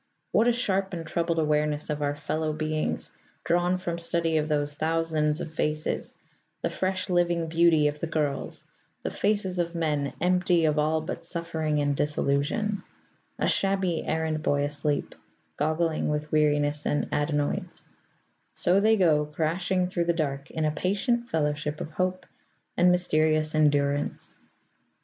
What a sharp and troubled awareness of our fellow beings, drawn from study of those thousands of faces the fresh living beauty of the girls, the faces of men empty of all but suffering and disillusion, a shabby errand boy asleep, goggling with weariness and adenoids so they go crashing through the dark in a patient fellowship of hope and mysterious endurance.